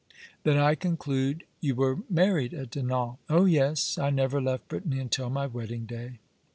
" Then I conclude you were married at Dinan ?"" Oh yes ; I never left Brittany until my wedding day."